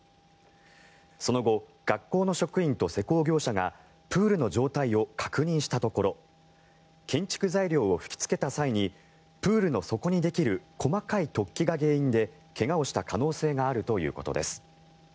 その後、学校の職員と施工業者がプールの状態を確認したところ建築材料を吹きつけた際にプールの底にできる細かい突起が原因で怪我をした可能性があるということです。